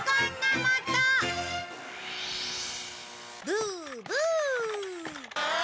ブーブー！